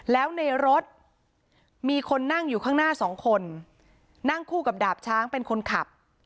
แล้วในรถมีคนนั่งอยู่ข้างหน้าสองคนนั่งคู่กับดาบช้างเป็นคนขับ